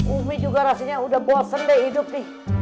umi juga rasanya udah bosen deh hidup nih